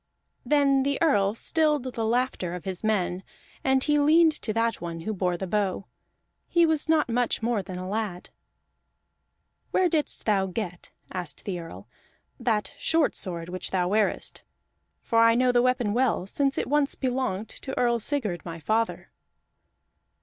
Then the Earl stilled the laughter of his men, and he leaned to that one who bore the bow; he was not much more than a lad. "Where didst thou get," asked the Earl, "that short sword which thou wearest? For I know the weapon well, since once it belonged to Earl Sigurd my father."